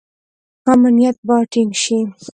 امنیت باید ټینګ شي